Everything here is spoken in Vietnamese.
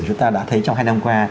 chúng ta đã thấy trong hai năm qua